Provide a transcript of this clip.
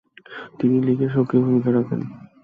তিনি লীগে সক্রিয় ভূমিকা রাখেন।